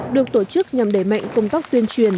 được tổ chức nhằm đẩy mạnh công tác tuyên truyền